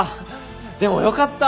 でもよかった。